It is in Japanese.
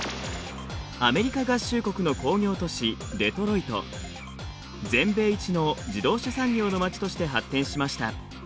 アメリカ合衆国の工業都市全米一の自動車産業の街として発展しました。